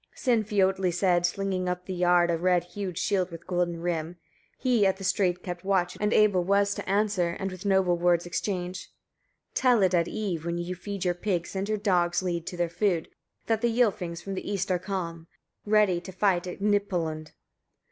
33. Sinfiotli said, slinging up on the yard a red hued shield with golden rim; He at the strait kept watch, and able was to answer, and with nobles words exchange 34. "Tell it at eve, when you feed your pigs, and your dogs lead to their food, that the Ylfings from the east are come, ready to fight at Gnipalund.